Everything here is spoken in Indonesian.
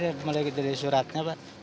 ada gendara katanya mulai dari suratnya pak